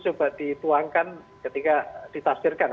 coba dituangkan ketika ditastirkan